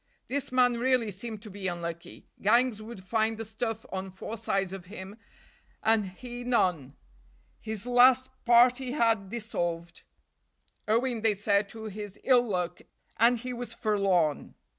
This man really seemed to be unlucky. Gangs would find the stuff on four sides of him, and he none; his last party had dissolved, owing they said to his ill luck, and he was forlorn.